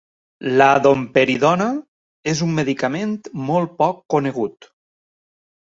La domperidona és un medicament molt poc conegut.